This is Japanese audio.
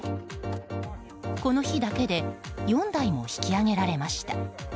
この日だけで４台も引き揚げられました。